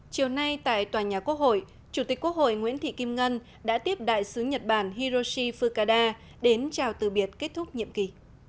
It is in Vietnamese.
chiều nay tại tòa nhà quốc hội chủ tịch quốc hội nguyễn thị kim ngân đã tiếp đại sứ nhật bản hiroshi fukada đến chào từ biệt kết thúc nhiệm kỳ